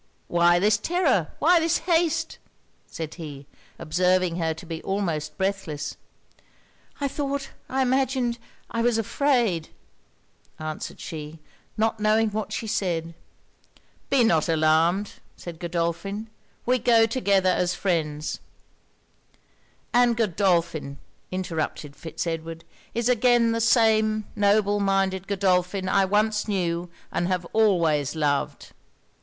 'Why this terror? why this haste?' said he, observing her to be almost breathless. 'I thought I imagined I was afraid ' answered she, not knowing what she said. 'Be not alarmed,' said Godolphin 'We go together as friends.' 'And Godolphin,' interrupted Fitz Edward, 'is again the same noble minded Godolphin I once knew, and have always loved.'